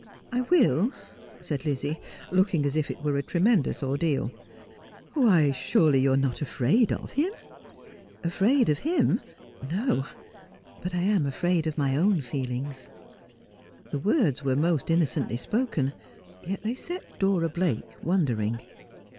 ' I will,' said Lizzie, looking as if it were a tremendous ordeal .' Why, surely you are not afraid of him 1 '' Afraid of him 1 No, but I am afraid of my own feelings.' The words were most innocently spoken, yet they set Dora Blake wondering.